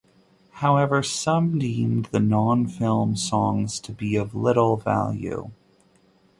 However, some deemed the non-film songs to be of little value.